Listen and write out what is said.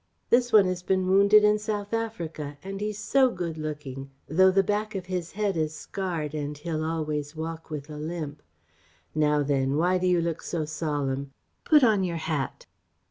This one has been wounded in South Africa and he's so good looking, though the back of his head is scarred and he'll always walk with a limp.... Now then! Why do you look so solemn? Put on your hat..."